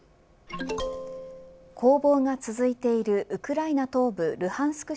攻防が続いているウクライナ東部ルハンスク